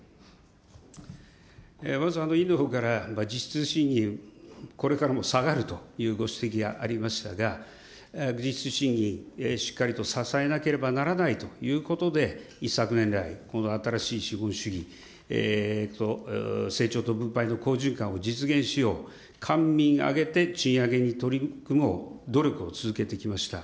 まず委員のほうから、実質賃金、これからも下がるというご指摘がありましたが、実質賃金、しっかりと支えなければならないということで、一昨年来、この新しい資本主義、成長と分配の好循環を実現しよう、官民挙げて賃上げに取り組もう、努力を続けてきました。